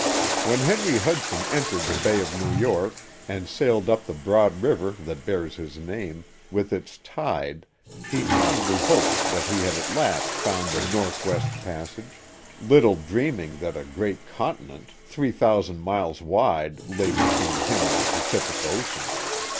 When Henry Hudson entered the bay of New York and sailed up the broad river that bears his name, with its tide, he fondly hoped that he had at last found the northwest pas sage," little dreaming that a great continent three thousand miles wide lay between him and the Pacific Ocean.